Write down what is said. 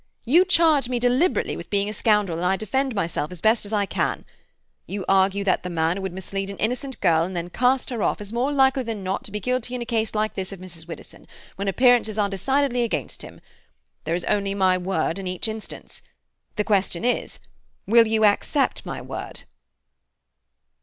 You charge me, deliberately, with being a scoundrel, and I defend myself as best I can. You argue that the man who would mislead an innocent girl and then cast her off is more likely than not to be guilty in a case like this of Mrs. Widdowson, when appearances are decidedly against him. There is only my word in each instance. The question is—Will you accept my word?"